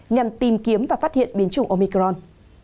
nhằm tìm kiếm và phát hiện biến chủng omicron